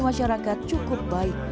masyarakat cukup baik